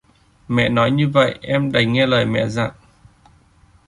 mẹ nói như vậy em đành nghe lời mẹ dặn